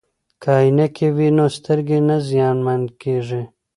که عینکې وي نو سترګې نه زیانمن کیږي.